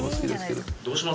どうします？